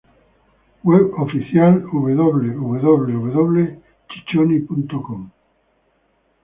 Web Oficial: www.chichoni.com